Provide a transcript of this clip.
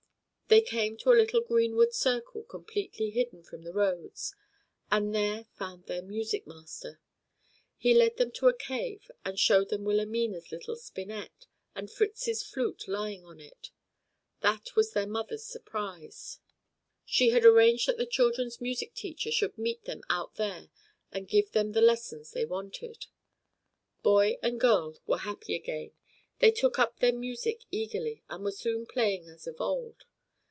They came to a little greenwood circle completely hidden from the roads and there found their music master. He led them to a cave, and showed them Wilhelmina's little spinnet, and Fritz's flute lying on it. That was their mother's surprise. She had arranged that the children's music teacher should meet them out there and give them the lessons they wanted. Boy and girl were happy again; they took up their music eagerly, and were soon playing as of old.